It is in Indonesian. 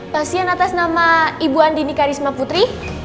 pasien atas nama ibu andini karisma putri